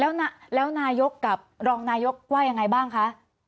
แล้วนายกกับรองนายกว่ายังไงบ้างคะ